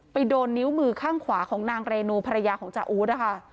โดนนิ้วมือข้างขวาของนางเรนูภรรยาของจาอู๊ดนะคะ